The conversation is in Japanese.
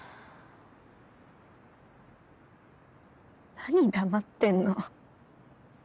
何黙ってんの？